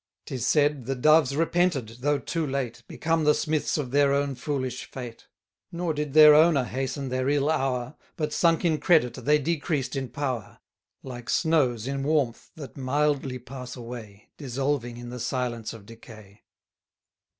'Tis said, the Doves repented, though too late, Become the smiths of their own foolish fate: Nor did their owner hasten their ill hour; 1270 But, sunk in credit, they decreased in power: Like snows in warmth that mildly pass away, Dissolving in the silence of decay.